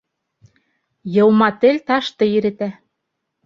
Йыума тел ташты иретә.